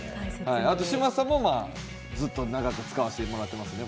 嶋佐もずっと長く使わせてもらっていますね。